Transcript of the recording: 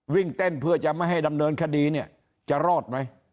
วิ่งเต้นเพื่อจะไม่ให้ดำเนินคดีเนี่ยจะรอดไหม